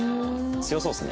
強そうですね。